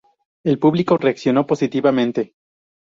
El público reaccionó positivamente".